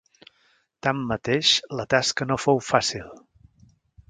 Tanmateix, la tasca no fou fàcil.